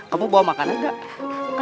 kamu bawa makan tidak